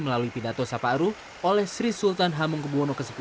melalui pidato saparu oleh sri sultan hamengkubwono x